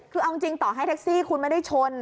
คือเอาจริงต่อให้แท็กซี่คุณไม่ได้ชน